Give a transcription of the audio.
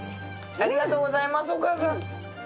ありがとうございますお母さん。